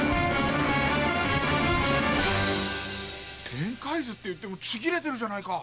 展開図っていってもちぎれてるじゃないか！